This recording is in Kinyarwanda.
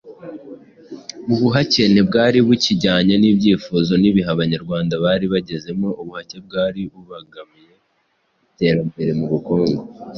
Ubuhake ntibwari bukijyanye n'ibyifuzo n'ibihe Abanyarwanda bari bagezemwoUbuhake bwari bubangamiye iterambere mu bukungu